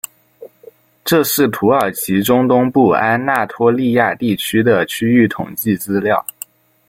这是土耳其中东部安那托利亚地区的区域统计资料。